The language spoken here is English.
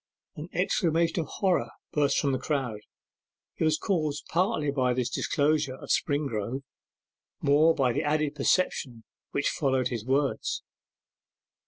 An exclamation of horror burst from the crowd; it was caused partly by this disclosure of Springrove, more by the added perception which followed his words.